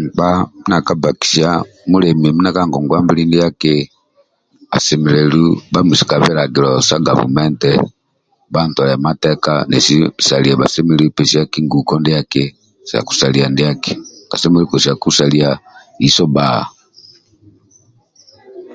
Nkpa mindi aka bbakisia mulemi mindia ka ngongwa mbili ndiaki asemelelu bhamuise ka bilagilo sa gavumenti bhantolie mateka nesi salia bhasemelelu pesiaki nguko sa kusalia ndiaki kasemelelu koliisaku saalia iso bba